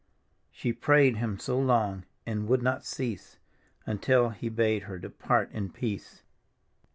" She prayed Him so long and would not cease, Until He bade her depart in peace.